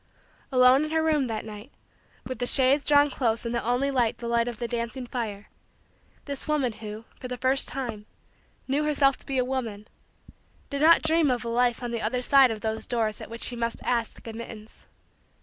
Alone in her room that night, with the shades drawn close and the only light the light of the dancing fire, this woman who, for the first time, knew herself to be a woman, did not dream of a life on the other side of those doors at which she must ask admittance.